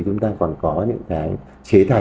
chúng ta còn có những cái chế thái